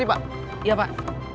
terima kasih pak